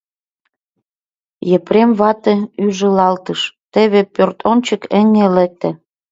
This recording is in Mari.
Епрем вате ужылалтыш: теве пӧртӧнчык еҥ лекте.